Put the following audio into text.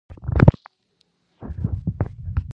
دا د ټولو په ګټه ده.